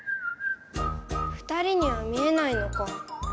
二人には見えないのか。